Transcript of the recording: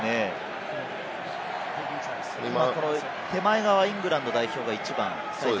この手前側、イングランド代表１番。